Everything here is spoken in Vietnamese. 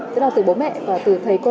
tức là từ bố mẹ và từ thầy cô